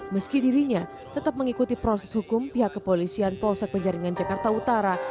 meski dirinya tetap mengikuti proses hukum pihak kepolisian polsek penjaringan jakarta utara